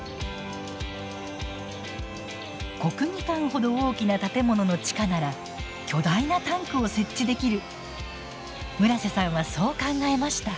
国技館ほど大きな建物の地下なら巨大なタンクを設置できる村瀬さんはそう考えました。